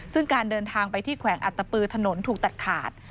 ซึ่งการเดินทางไปที่แขวงอัตตปือถนนถูกตัดขาด